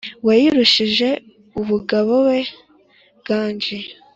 wayirushije ubugabo we nganji,